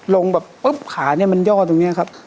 ลงแบบปุ๊บขาเนี่ยมันย่อตรงนี้ครับ